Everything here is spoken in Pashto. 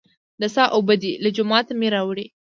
د څاه اوبه دي، له جوماته مې راوړې.